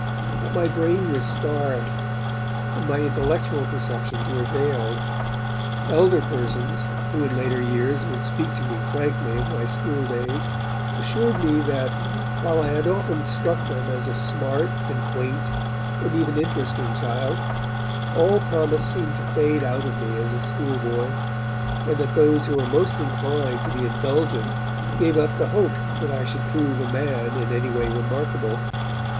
But my brain was starved, and my intellectual perceptions were veiled. Elder persons who in later years would speak to me frankly of my school days assured me that, while I had often struck them as a smart and quaint and even interesting child, all promise seemed to fade out of me as a schoolboy, and that those who were most inclined to be indulgent gave up the hope that I should prove a man in a way remarkable.